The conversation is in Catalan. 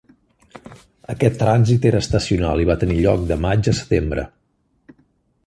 Aquest trànsit era estacional i va tenir lloc de maig a setembre.